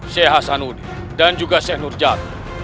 seh hasanudin dan juga seh nurjad